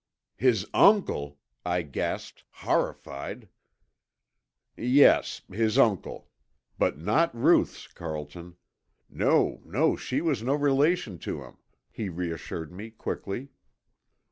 "His uncle!" I gasped, horrified. "Yes, his uncle. But not Ruth's, Carlton! No, no, she was no relation to him," he reassured me quickly.